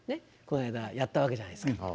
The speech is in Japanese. この間やったわけじゃないですか。